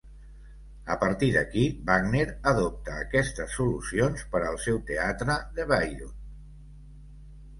A partir d’aquí, Wagner adopta aquestes solucions per al seu teatre de Bayreuth.